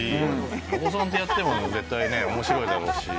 お子さんとやっても絶対面白いだろうし。